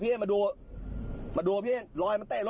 มามามาคอมพันธุ์ตัว